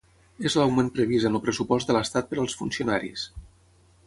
És l’augment previst en el pressupost de l’estat per als funcionaris.